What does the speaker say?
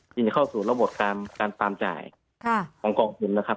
จะเข้าสู่ระบบการฟาร์มจ่ายของกองทุนนะครับ